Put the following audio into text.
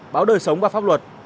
báo đời sống và pháp luật